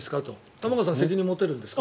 玉川さん、責任持てるんですか？